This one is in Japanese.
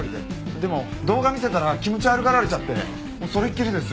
でも動画見せたら気持ち悪がられちゃってそれっきりですよ。